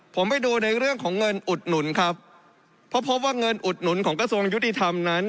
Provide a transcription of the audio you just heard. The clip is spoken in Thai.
ผมไปดูในเรื่องของเงินอุดหนุนครับเพราะพบว่าเงินอุดหนุนของกระทรวงยุติธรรมนั้น